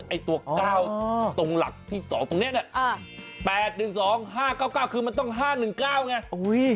ไอ้ตัว๙ตรงหลักที่๒ตรงนี้เนี่ย๘๑๒๕๙๙คือมันต้อง๕๑๙ไง